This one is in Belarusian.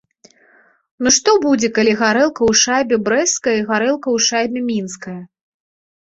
Ну што будзе, калі гарэлка ў шайбе брэсцкая і гарэлка ў шайбе мінская?